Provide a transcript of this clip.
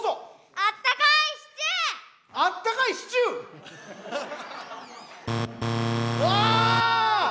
あったかいシチュー！わ！